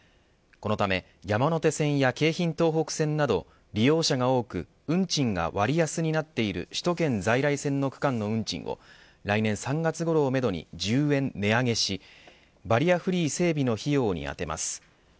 このため山手線や京浜東北線など利用者が多く運賃が割安になっている首都圏在来線の区間の運賃を来年３月ごろをめどに１０円値上げし、バリアフリー整備の費用に充てます。